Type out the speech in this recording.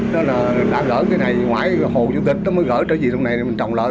nó là làm lỡ cái này ngoài hồ chủ tịch nó mới gỡ trở về trong này mình trồng lỡ